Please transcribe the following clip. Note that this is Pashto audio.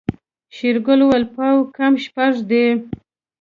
شېرګل وويل پاو کم شپږ دي.